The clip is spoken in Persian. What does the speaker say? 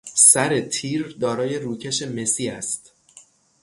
سر تیر دارای روکش مسی است.